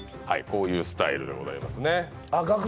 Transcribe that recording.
はいこういうスタイルでございますねあっ